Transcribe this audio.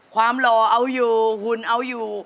หล่อเอาอยู่หุ่นเอาอยู่